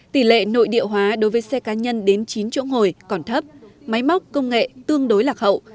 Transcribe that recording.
tỷ lệ nội địa hóa đối với xe cá nhân đến chín chỗ ngồi còn thấp máy móc công nghệ tương đối lạc hậu